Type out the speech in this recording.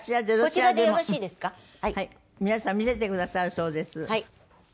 皆さん見せてくださるそうです。